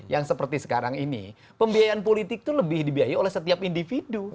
yang seperti sekarang ini pembiayaan politik itu lebih dibiayai oleh setiap individu